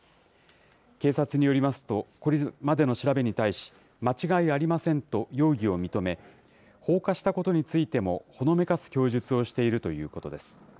警察によりますと、これまでの調べに対し、間違いありませんと容疑を認め、放火したことについてもほのめかす供述をしているということです。